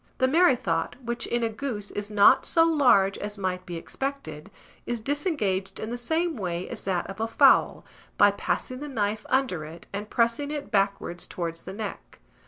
The merrythought, which in a goose is not so large as might be expected, is disengaged in the same way as that of a fowl by passing the knife under it, and pressing it backwards towards the neck.